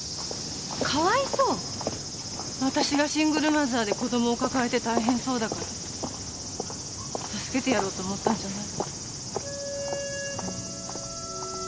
私がシングルマザーで子供を抱えて大変そうだから助けてやろうと思ったんじゃない？